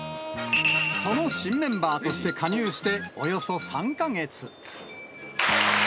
その新メンバーとして加入して、およそ３か月。